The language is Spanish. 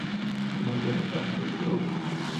Moller-Maersk Group.